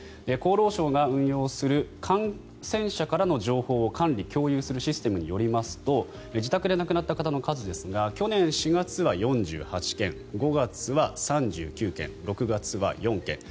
厚労省が運用する感染者からの情報を管理・共有するシステムによりますと自宅で亡くなった方の数ですが去年４月は４８件５月は３９件６月は４件。